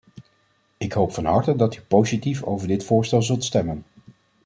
Ik hoop van harte dat u positief over dit voorstel zult stemmen.